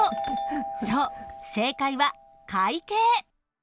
そう正解は会計。